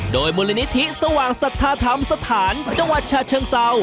โดยมูลณิษฐีสว่างสัตว์ธรรมสถานจังหวัดชาชนเชิงเศร้า